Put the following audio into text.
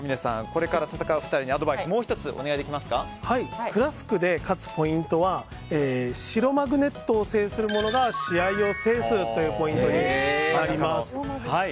これから戦う２人にアドバイスＫＬＡＳＫで勝つポイントは白マグネットを制する者が試合を制すというポイントになります。